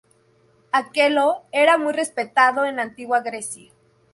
Aqueloo era muy respetado en la antigua Grecia.